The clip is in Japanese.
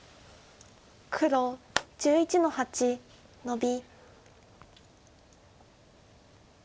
黒１１の八ノビ。